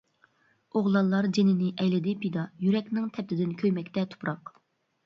ئوغلانلار جېنىنى ئەيلىدى پىدا، يۈرەكنىڭ تەپتىدىن كۆيمەكتە تۇپراق.